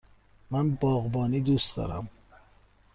من باغبانی دوست دارم.